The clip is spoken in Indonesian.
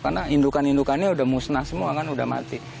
karena indukan indukannya sudah musnah semua kan sudah mati